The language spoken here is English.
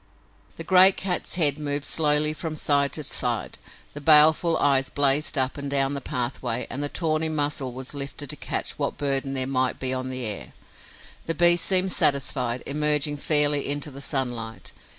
The great cat's head moved slowly from side to side; the baleful eyes blazed up and down the pathway and the tawny muzzle was lifted to catch what burden there might be on the air. The beast seemed satisfied, emerging fairly into the sunlight.